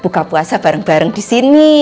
buka puasa bareng bareng di sini